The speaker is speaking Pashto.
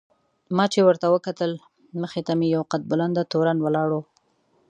ما چې ورته وکتل مخې ته مې یو قد بلنده تورن ولاړ و.